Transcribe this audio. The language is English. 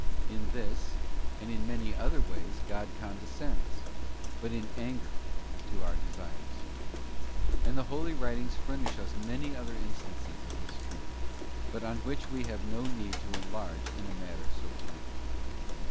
't In this, and in many other ways, God condescends, but in anger, to our desires. And the Holy Writings furnish us many other instances of this truth, but on which we have no need to enlarge in a matter so plain.